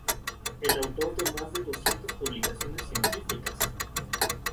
Es autor de más de doscientas publicaciones científicas.